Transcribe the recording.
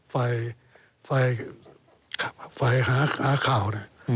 ฝ่ายหาข่าว